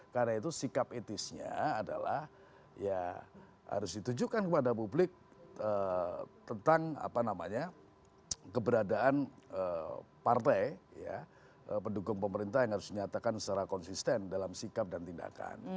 karena itu sikap etisnya adalah ya harus ditujukan kepada publik tentang apa namanya keberadaan partai ya pendukung pemerintah yang harus dinyatakan secara konsisten dalam sikap dan tindakan